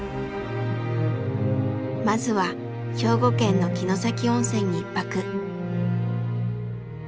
まずは兵庫県の城崎温泉に一泊。